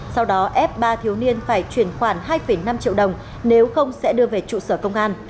sau đó ép ba thiếu niên phải chuyển khoản hai năm triệu đồng nếu không sẽ đưa về trụ sở công an